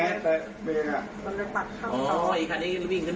อ๋ออีกครั้งนี้มันวิ่งขึ้นไป